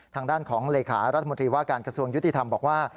ทางด้านของเหลศาสนิทรรศาสตร์รัฐมนตรีว่าการกระทรวงยุติธรรมบอกว่า